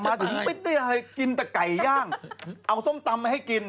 มาถึงพิธีกรกินแต่ไก่ย่างเอาส้มตำมาให้กิน